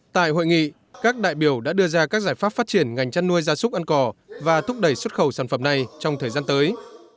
tại hội nghị các đại biểu đã đưa ra các giải pháp phát triển ngành chăn nuôi gia súc ăn cỏ và thúc đẩy xuất khẩu sản phẩm này trong thời gian tới